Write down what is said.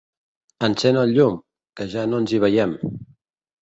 Encén el llum, que ja no ens hi veiem.